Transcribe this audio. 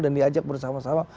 dan diajak bersama sama